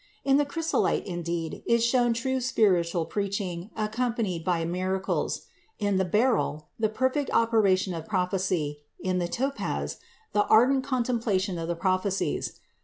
In the chrysolite, indeed, is shown true spiritual preaching accompanied by miracles; in the beryl, the perfect operation of prophecy; in the topaz, the ardent contemplation of the prophecies.